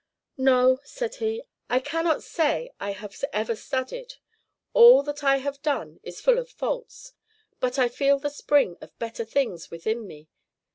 "No," said he, "I cannot say I have ever studied: all that I have done is full of faults; but I feel the spring of better things within me.